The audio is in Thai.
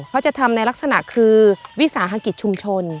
เขาจะทำในลักษณะคือวิสาหกิจชุมชน